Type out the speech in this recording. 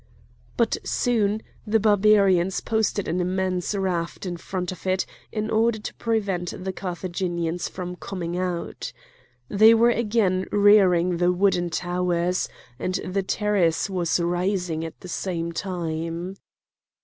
But soon the Barbarians posted an immense raft in front of it in order to prevent the Carthaginians from coming out. They were again rearing the wooden towers, and the terrace was rising at the same time.